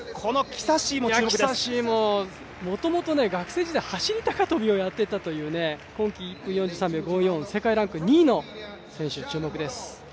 キサシーももともと学生時代走高跳をやってたという今季４３秒２４世界ランク２位の選手、注目です。